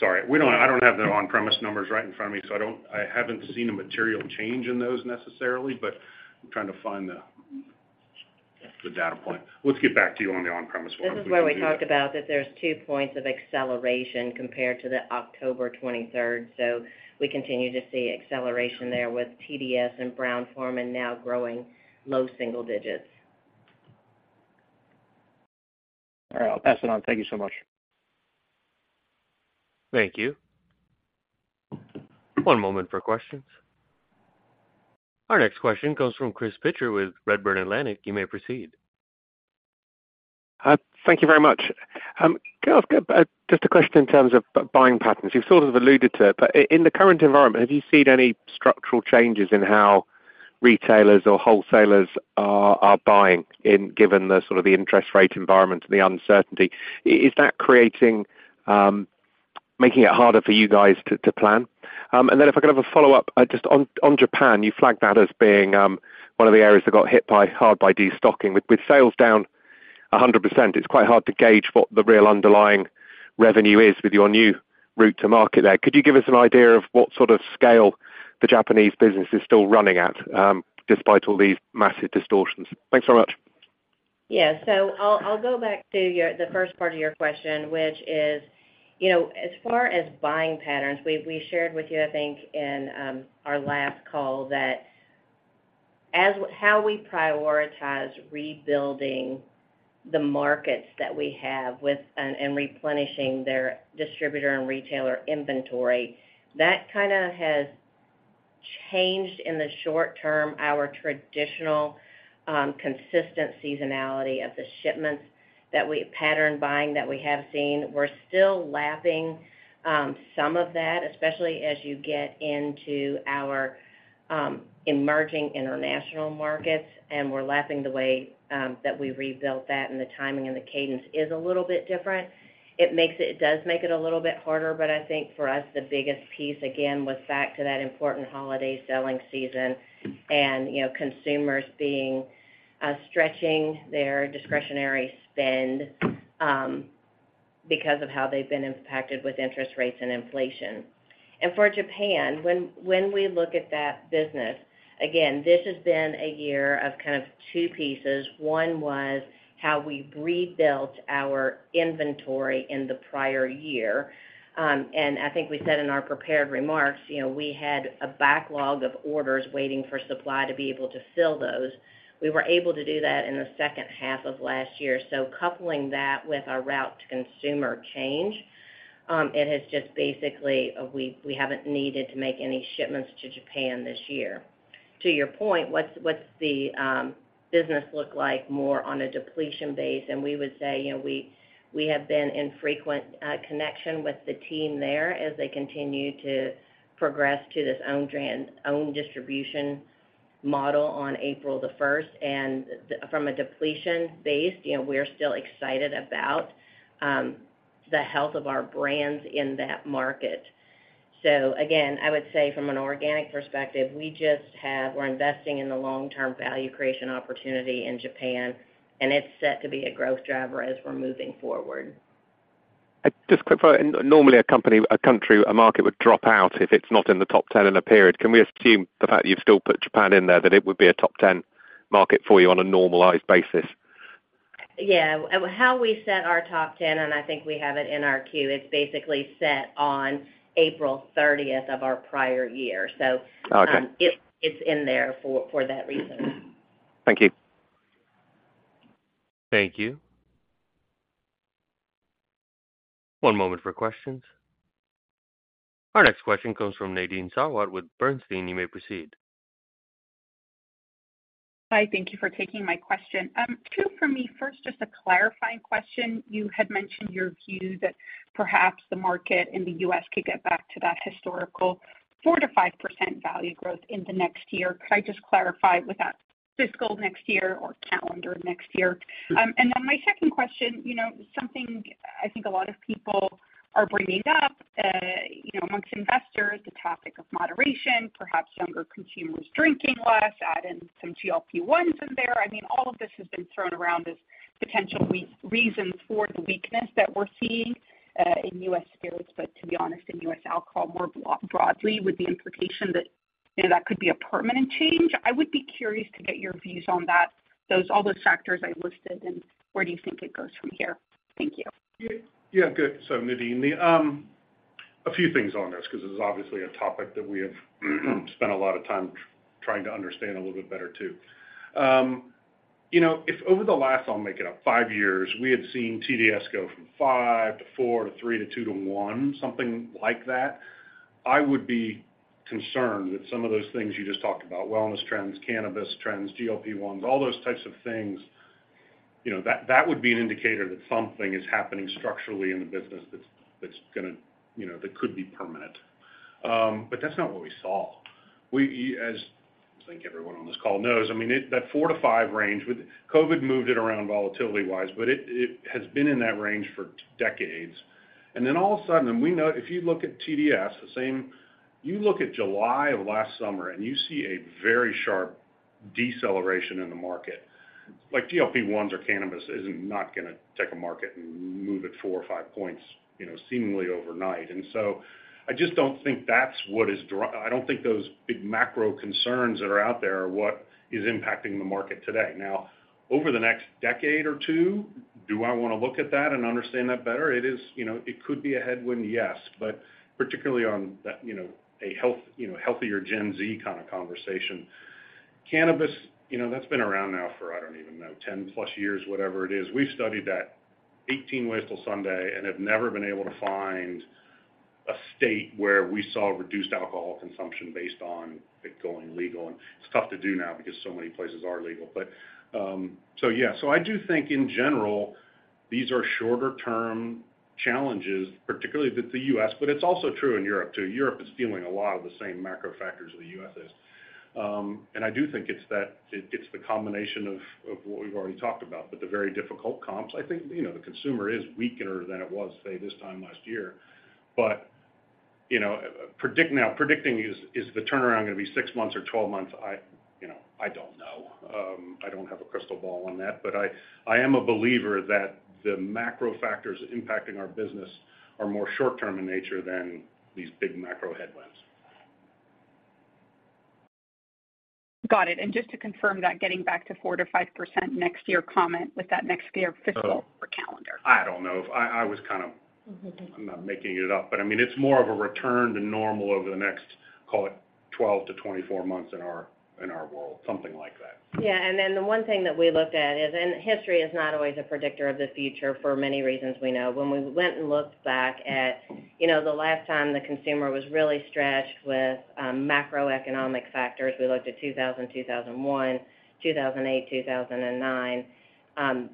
Sorry. I don't have the on-premise numbers right in front of me, so I haven't seen a material change in those necessarily, but I'm trying to find the data point. Let's get back to you on the on-premise one. This is where we talked about that there's two points of acceleration compared to the October 23rd. So we continue to see acceleration there with TDS and Brown-Forman now growing low single digits. All right. I'll pass it on. Thank you so much. Thank you. One moment for questions. Our next question comes from Chris Pitcher with Redburn Atlantic. You may proceed. Thank you very much. Just a question in terms of buying patterns. You've sort of alluded to it, but in the current environment, have you seen any structural changes in how retailers or wholesalers are buying given the sort of the interest rate environment and the uncertainty? Is that making it harder for you guys to plan? And then if I could have a follow-up, just on Japan, you flagged that as being one of the areas that got hit hard by de-stocking. With sales down 100%, it's quite hard to gauge what the real underlying revenue is with your new route to market there. Could you give us an idea of what sort of scale the Japanese business is still running at despite all these massive distortions? Thanks very much. Yeah. So I'll go back to the first part of your question, which is as far as buying patterns, we shared with you, I think, in our last call that how we prioritize rebuilding the markets that we have and replenishing their distributor and retailer inventory, that kind of has changed in the short term, our traditional consistent seasonality of the shipments that we pattern buying that we have seen. We're still lapping some of that, especially as you get into our emerging international markets, and we're lapping the way that we rebuilt that, and the timing and the cadence is a little bit different. It does make it a little bit harder, but I think for us, the biggest piece, again, was back to that important holiday selling season and consumers stretching their discretionary spend because of how they've been impacted with interest rates and inflation. And for Japan, when we look at that business, again, this has been a year of kind of two pieces. One was how we rebuilt our inventory in the prior year. And I think we said in our prepared remarks, we had a backlog of orders waiting for supply to be able to fill those. We were able to do that in the second half of last year. So coupling that with our route-to-consumer change, it has just basically we haven't needed to make any shipments to Japan this year. To your point, what's the business look like more on a depletion base? And we would say we have been in frequent connection with the team there as they continue to progress to this own distribution model on April the 1st. And from a depletion base, we're still excited about the health of our brands in that market. So again, I would say from an organic perspective, we're investing in the long-term value creation opportunity in Japan, and it's set to be a growth driver as we're moving forward. Just quick follow-up. Normally, a country, a market would drop out if it's not in the top 10 in a period. Can we assume the fact that you've still put Japan in there, that it would be a top 10 market for you on a normalized basis? Yeah. How we set our top 10, and I think we have it in our queue, it's basically set on April 30th of our prior year. So it's in there for that reason. Thank you. Thank you. One moment for questions. Our next question comes from Nadine Sarwat with Bernstein. You may proceed. Hi. Thank you for taking my question. Two, for me, first, just a clarifying question. You had mentioned your view that perhaps the market in the U.S. could get back to that historical 4%-5% value growth in the next year. Could I just clarify with that fiscal next year or calendar next year? And then my second question, something I think a lot of people are bringing up amongst investors, the topic of moderation, perhaps younger consumers drinking less, add in some GLP-1s in there. I mean, all of this has been thrown around as potential reasons for the weakness that we're seeing in U.S. spirits, but to be honest, in U.S. alcohol more broadly, with the implication that that could be a permanent change. I would be curious to get your views on all those factors I listed, and where do you think it goes from here? Thank you. Yeah. Good. So Nadine, a few things on this because it's obviously a topic that we have spent a lot of time trying to understand a little bit better too. If over the last, I'll make it up, five years, we had seen TDS go from five to four to three to two to one, something like that, I would be concerned that some of those things you just talked about, wellness trends, cannabis trends, GLP-1s, all those types of things, that would be an indicator that something is happening structurally in the business that's going to that could be permanent. But that's not what we saw. As I think everyone on this call knows, I mean, that 4-5 range, COVID moved it around volatility-wise, but it has been in that range for decades. And then all of a sudden, if you look at TDS, the same you look at July of last summer, and you see a very sharp deceleration in the market. GLP-1s or cannabis is not going to take a market and move it four or five points seemingly overnight. And so I just don't think that's what is impacting the market today. I don't think those big macro concerns that are out there are what is impacting the market today. Now, over the next decade or two, do I want to look at that and understand that better? It could be a headwind, yes, but particularly on a healthier Gen Z kind of conversation. Cannabis, that's been around now for, I don't even know, 10+ years, whatever it is. We've studied that 18th Amendment and have never been able to find a state where we saw reduced alcohol consumption based on it going legal. It's tough to do now because so many places are legal. Yeah. I do think, in general, these are shorter-term challenges, particularly with the U.S., but it's also true in Europe too. Europe is feeling a lot of the same macro factors the U.S. is. I do think it's the combination of what we've already talked about, but the very difficult comps. I think the consumer is weaker than it was, say, this time last year. Now, predicting is the turnaround going to be six months or 12 months? I don't know. I don't have a crystal ball on that. But I am a believer that the macro factors impacting our business are more short-term in nature than these big macro headwinds. Got it. Just to confirm that, getting back to 4%-5% next year comment with that next year fiscal or calendar? I don't know. I was kind of. I'm not making it up. But I mean, it's more of a return to normal over the next, call it, 12-24 months in our world, something like that. Yeah. And then the one thing that we look at is, and history is not always a predictor of the future for many reasons we know. When we went and looked back at the last time the consumer was really stretched with macroeconomic factors, we looked at 2000, 2001, 2008, 2009.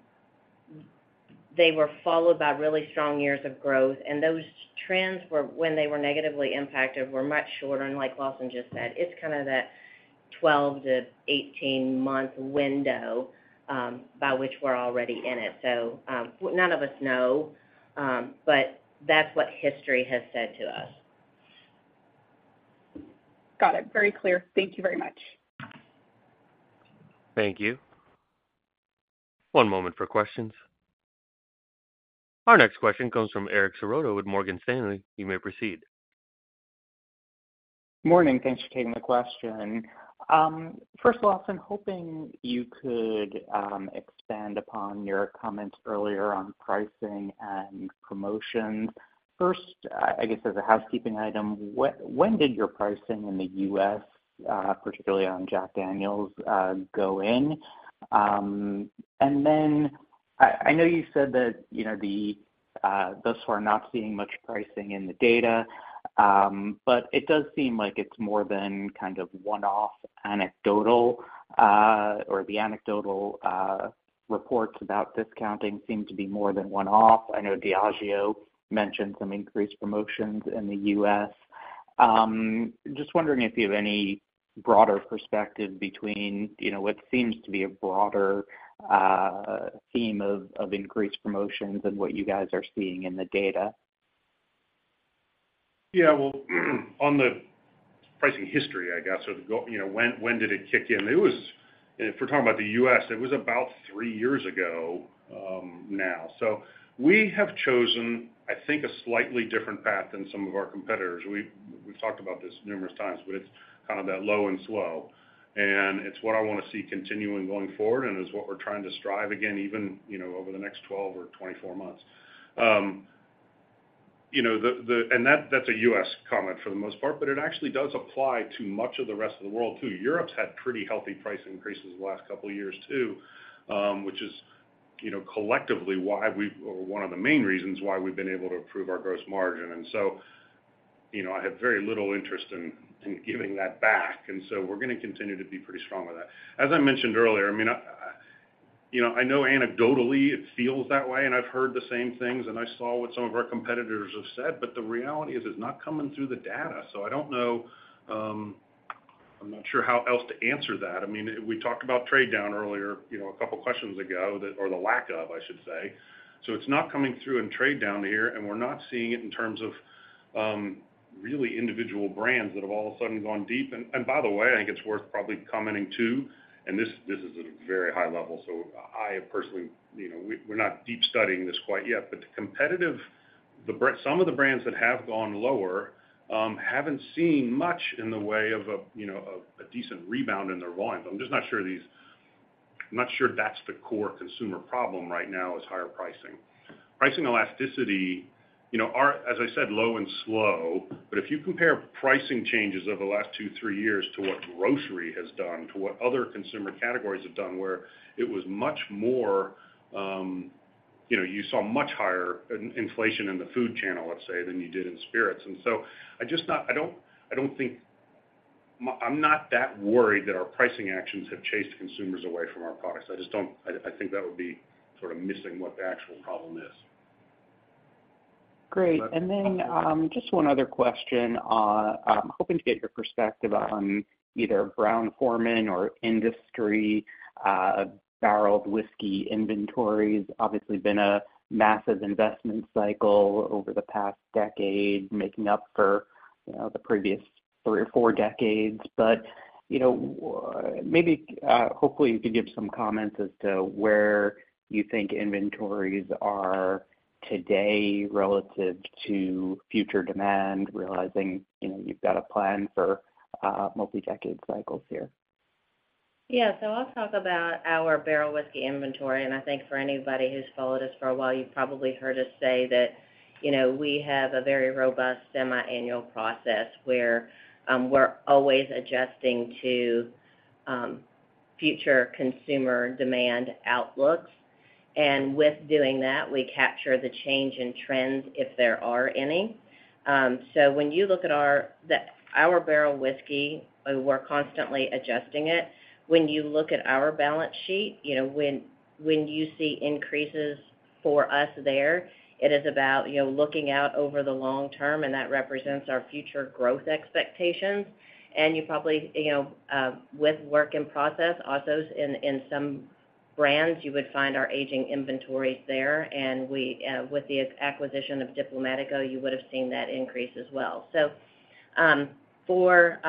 They were followed by really strong years of growth. And those trends, when they were negatively impacted, were much shorter. And like Lawson just said, it's kind of that 12-18-month window by which we're already in it. So none of us know, but that's what history has said to us. Got it. Very clear. Thank you very much. Thank you. One moment for questions. Our next question comes from Eric Serotta with Morgan Stanley. You may proceed. Morning. Thanks for taking the question. First of all, I was hoping you could expand upon your comments earlier on pricing and promotions. First, I guess as a housekeeping item, when did your pricing in the U.S., particularly on Jack Daniel's, go in? And then I know you said that thus far, not seeing much pricing in the data, but it does seem like it's more than kind of one-off anecdotal or the anecdotal reports about discounting seem to be more than one-off. I know Diageo mentioned some increased promotions in the U.S. Just wondering if you have any broader perspective between what seems to be a broader theme of increased promotions and what you guys are seeing in the data? Yeah. Well, on the pricing history, I guess, so when did it kick in? If we're talking about the U.S., it was about three years ago now. So we have chosen, I think, a slightly different path than some of our competitors. We've talked about this numerous times, but it's kind of that low and slow. And it's what I want to see continuing going forward and is what we're trying to strive against, even over the next 12 or 24 months. And that's a U.S. comment for the most part, but it actually does apply to much of the rest of the world too. Europe's had pretty healthy price increases the last couple of years too, which is collectively why we or one of the main reasons why we've been able to improve our gross margin. And so I have very little interest in giving that back. We're going to continue to be pretty strong with that. As I mentioned earlier, I mean, I know anecdotally, it feels that way, and I've heard the same things, and I saw what some of our competitors have said. But the reality is it's not coming through the data. So I don't know, I'm not sure how else to answer that. I mean, we talked about trade down earlier, a couple of questions ago, or the lack of, I should say. So it's not coming through in trade down here, and we're not seeing it in terms of really individual brands that have all of a sudden gone deep. And by the way, I think it's worth probably commenting too, and this is at a very high level. So I personally, we're not deep studying this quite yet. But some of the brands that have gone lower haven't seen much in the way of a decent rebound in their volumes. I'm just not sure that's the core consumer problem right now is higher pricing. Pricing elasticity, as I said, low and slow. But if you compare pricing changes of the last two, three years to what grocery has done, to what other consumer categories have done where it was much more you saw much higher inflation in the food channel, let's say, than you did in spirits. And so I don't think I'm not that worried that our pricing actions have chased consumers away from our products. I think that would be sort of missing what the actual problem is. Great. And then just one other question. I'm hoping to get your perspective on either Brown-Forman or industry barreled whiskey inventories. Obviously, been a massive investment cycle over the past decade, making up for the previous three or four decades. But maybe, hopefully, you could give some comments as to where you think inventories are today relative to future demand, realizing you've got a plan for multi-decade cycles here. Yeah. So I'll talk about our barrel whiskey inventory. And I think for anybody who's followed us for a while, you've probably heard us say that we have a very robust semi-annual process where we're always adjusting to future consumer demand outlooks. And with doing that, we capture the change in trends if there are any. So when you look at our barrel whiskey, we're constantly adjusting it. When you look at our balance sheet, when you see increases for us there, it is about looking out over the long term, and that represents our future growth expectations. And you probably, with work in process, also in some brands, you would find our aging inventories there. And with the acquisition of Diplomático, you would have seen that increase as well. So for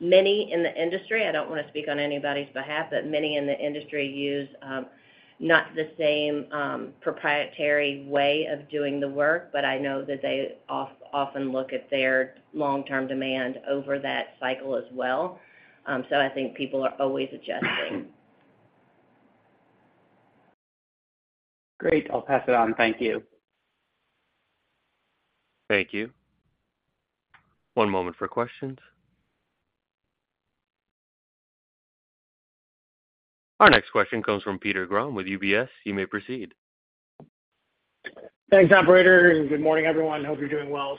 many in the industry, I don't want to speak on anybody's behalf, but many in the industry use not the same proprietary way of doing the work, but I know that they often look at their long-term demand over that cycle as well. So I think people are always adjusting. Great. I'll pass it on. Thank you. Thank you. One moment for questions. Our next question comes from Peter Grom with UBS. You may proceed. Thanks, operator. Good morning, everyone. Hope you're doing well.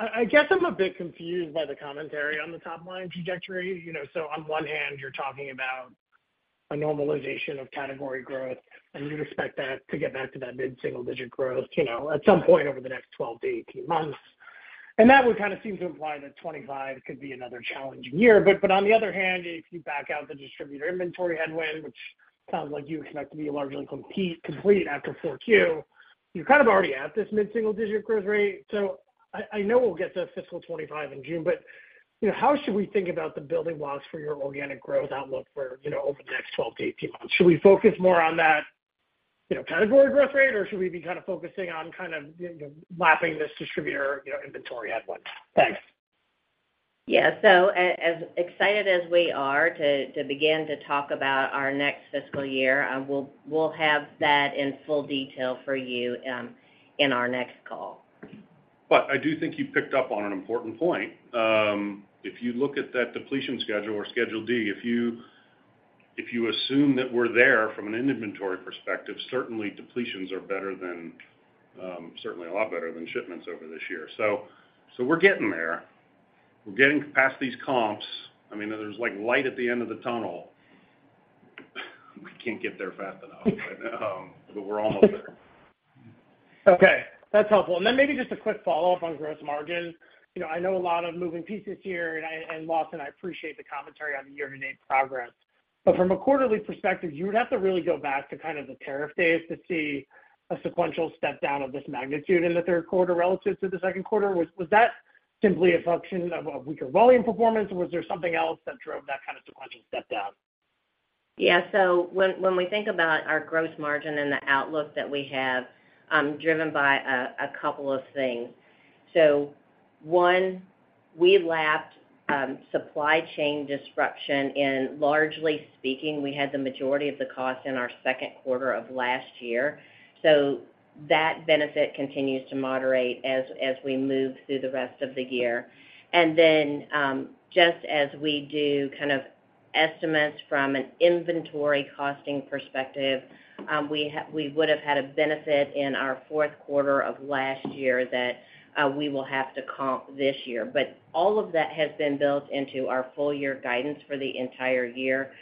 I guess I'm a bit confused by the commentary on the top-line trajectory. On one hand, you're talking about a normalization of category growth, and you'd expect that to get back to that mid-single-digit growth at some point over the next 12-18 months. And that would kind of seem to imply that 2025 could be another challenging year. But on the other hand, if you back out the distributor inventory headwind, which sounds like you expect to be largely complete after 4Q, you're kind of already at this mid-single-digit growth rate. I know we'll get to fiscal 2025 in June, but how should we think about the building blocks for your organic growth outlook over the next 12-18 months? Should we focus more on that category growth rate, or should we be kind of focusing on kind of lapping this distributor inventory headwind? Thanks. Yeah. So as excited as we are to begin to talk about our next fiscal year, we'll have that in full detail for you in our next call. But I do think you picked up on an important point. If you look at that depletion schedule or schedule D, if you assume that we're there from an inventory perspective, certainly, depletions are better than certainly, a lot better than shipments over this year. So we're getting there. We're getting past these comps. I mean, there's light at the end of the tunnel. We can't get there fast enough, but we're almost there. Okay. That's helpful. And then maybe just a quick follow-up on gross margin. I know a lot of moving pieces here, and Lawson, I appreciate the commentary on the year-to-date progress. But from a quarterly perspective, you would have to really go back to kind of the tariff days to see a sequential step down of this magnitude in the third quarter relative to the second quarter. Was that simply a function of weaker volume performance, or was there something else that drove that kind of sequential step down? Yeah. So when we think about our gross margin and the outlook that we have, I'm driven by a couple of things. So one, we lapped supply chain disruption. And largely speaking, we had the majority of the cost in our second quarter of last year. So that benefit continues to moderate as we move through the rest of the year. And then just as we do kind of estimates from an inventory costing perspective, we would have had a benefit in our fourth quarter of last year that we will have to comp this year. But all of that has been built into our full-year guidance for the entire year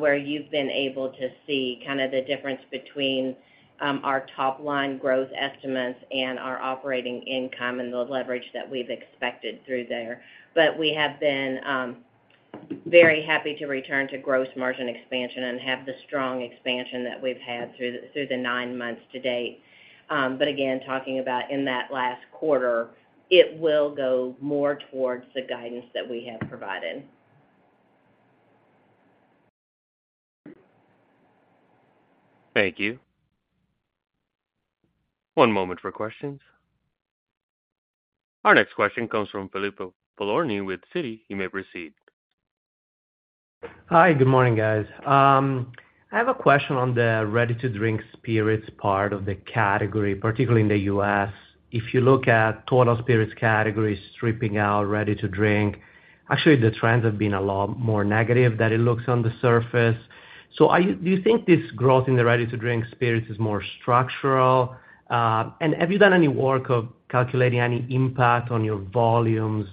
where you've been able to see kind of the difference between our top-line growth estimates and our operating income and the leverage that we've expected through there. But we have been very happy to return to gross margin expansion and have the strong expansion that we've had through the nine months to date. But again, talking about in that last quarter, it will go more towards the guidance that we have provided. Thank you. One moment for questions. Our next question comes from Filippo Falorni with Citi. You may proceed. Hi. Good morning, guys. I have a question on the ready-to-drink spirits part of the category, particularly in the U.S. If you look at total spirits categories stripping out ready-to-drink, actually, the trends have been a lot more negative than it looks on the surface. So do you think this growth in the ready-to-drink spirits is more structural? And have you done any work of calculating any impact on your volumes,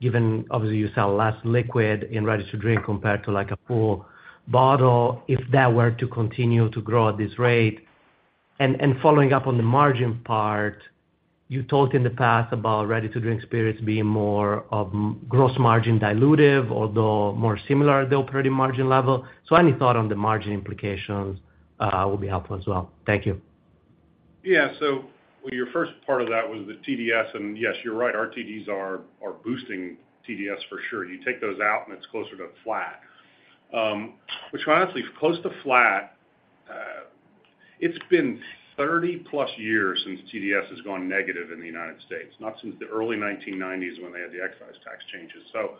given obviously, you sell less liquid in ready-to-drink compared to a full bottle if that were to continue to grow at this rate? And following up on the margin part, you talked in the past about ready-to-drink spirits being more of gross margin dilutive, although more similar to the operating margin level. So any thought on the margin implications would be helpful as well. Thank you. Yeah. So your first part of that was the TDS. And yes, you're right. RTDs are boosting TDS for sure. You take those out, and it's closer to flat. Which, honestly, close to flat, it's been 30+ years since TDS has gone negative in the United States, not since the early 1990s when they had the excise tax changes. So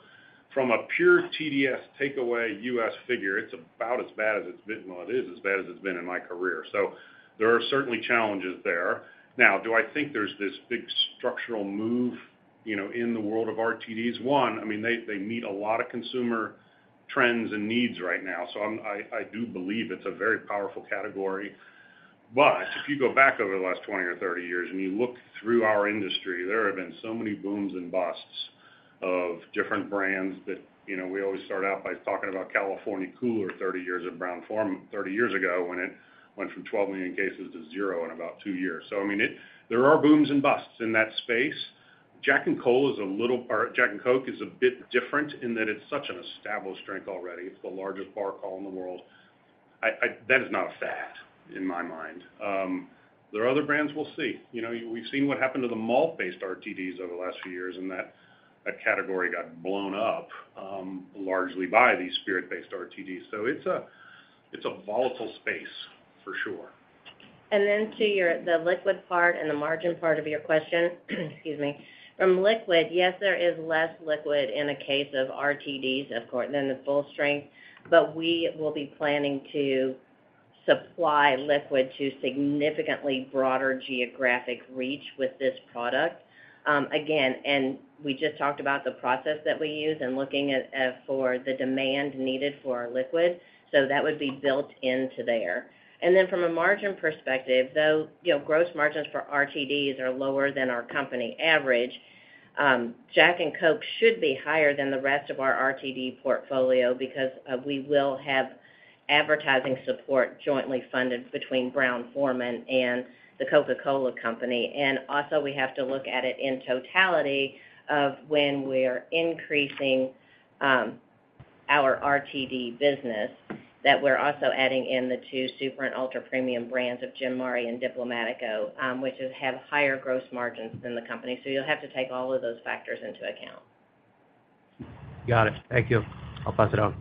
from a pure TDS takeaway US figure, it's about as bad as it's been well, it is as bad as it's been in my career. So there are certainly challenges there. Now, do I think there's this big structural move in the world of RTDs? One, I mean, they meet a lot of consumer trends and needs right now. So I do believe it's a very powerful category. But if you go back over the last 20 or 30 years and you look through our industry, there have been so many booms and busts of different brands that we always start out by talking about California Cooler 30 years ago, Brown-Forman 30 years ago when it went from 12 million cases to zero in about two years. So I mean, there are booms and busts in that space. Jack and Coke is a bit different in that it's such an established drink already. It's the largest bar call in the world. That is not a fact in my mind. There are other brands we'll see. We've seen what happened to the malt-based RTDs over the last few years, and that category got blown up largely by these spirit-based RTDs. So it's a volatile space for sure. To the liquid part and the margin part of your question, excuse me, from liquid, yes, there is less liquid in the case of RTDs, of course, than the full strength. But we will be planning to supply liquid to significantly broader geographic reach with this product, again. And we just talked about the process that we use and looking for the demand needed for our liquid. So that would be built into there. And then from a margin perspective, though, gross margins for RTDs are lower than our company average. Jack and Coke should be higher than the rest of our RTD portfolio because we will have advertising support jointly funded between Brown-Forman and the Coca-Cola Company. We have to look at it in totality of when we're increasing our RTD business that we're also adding in the two Super and Ultra Premium brands of el Jimador and Diplomático, which have higher gross margins than the company. You'll have to take all of those factors into account. Got it. Thank you. I'll pass it on.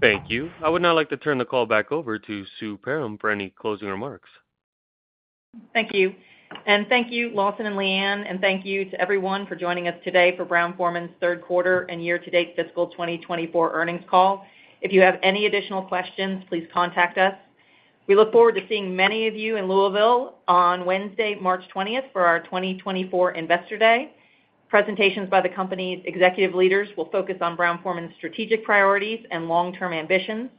Thank you. I would now like to turn the call back over to Sue Perram for any closing remarks. Thank you. Thank you, Lawson and Leanne. Thank you to everyone for joining us today for Brown-Forman's third quarter and year-to-date fiscal 2024 earnings call. If you have any additional questions, please contact us. We look forward to seeing many of you in Louisville on Wednesday, March 20th, for our 2024 Investor Day. Presentations by the company's executive leaders will focus on Brown-Forman's strategic priorities and long-term ambitions.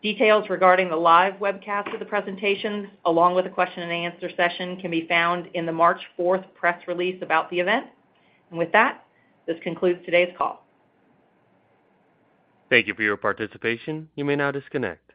Details regarding the live webcast of the presentations, along with a question-and-answer session, can be found in the March 4th press release about the event. With that, this concludes today's call. Thank you for your participation. You may now disconnect.